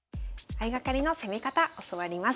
相掛かりの攻め方教わります。